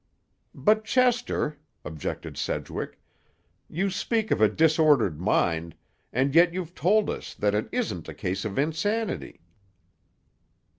"But, Chester," objected Sedgwick, "you speak of a disordered mind, and yet you've told us that it isn't a case of insanity."